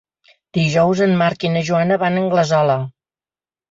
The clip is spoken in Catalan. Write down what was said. Dijous en Marc i na Joana van a Anglesola.